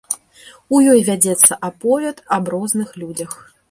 У ёй вядзецца аповяд аб розных людзях.